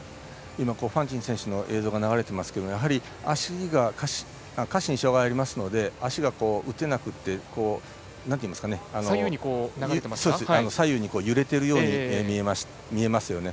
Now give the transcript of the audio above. ファンティン選手の映像が流れましたが、やはり下肢に障がいがありますので足が打てなくて左右に揺れているように見えますよね。